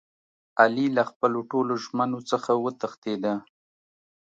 علي له خپلو ټولو ژمنو څخه و تښتېدا.